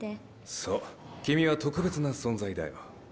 そう君は特別な存在だよ。